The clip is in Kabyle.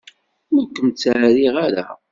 Ur kem-ttεerriɣ ara.